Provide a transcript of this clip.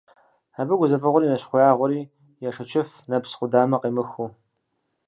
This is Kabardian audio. Абы гузэвгъуэри нэщхъеягъуэри яшэчыф, нэпс къудамэ къемыхыу.